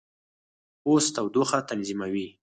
پوست تودوخه تنظیموي.